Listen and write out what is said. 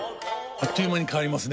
あっという間に変わりますね。